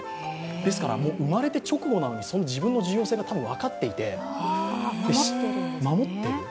ですから生まれて直後なんですけど、自分の重要性が分かっていて、守ってる。